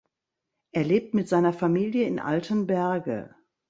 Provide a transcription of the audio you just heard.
Er lebt mit seiner Familie in Altenberge.